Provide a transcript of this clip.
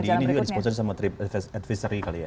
jadi ini juga di sponsor sama trip advisory kali ya